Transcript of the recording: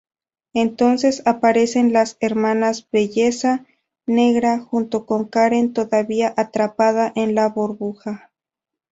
Entonces aparecen las Hermanas Belleza Negra junto con Karen todavía atrapada en la burbuja.